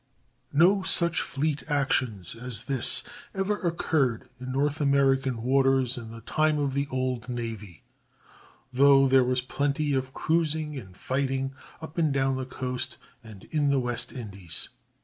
No such fleet actions as this ever occurred in North American waters in the time of the "old navy," though there was plenty of cruising and fighting up and down the coast and in the West Indies.